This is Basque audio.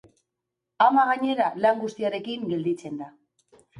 Ama, gainera, lan guztiarekin gelditzen da.